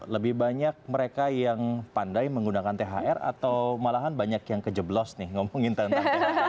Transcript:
lebih banyak mereka yang pandai menggunakan thr atau malahan banyak yang kejeblos nih ngomongin tentang thr